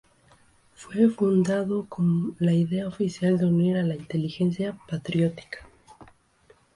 Fue fundado con la idea oficial de unir a la inteligencia patriótica.